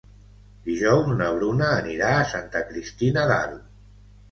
Dijous na Bruna anirà a Santa Cristina d'Aro.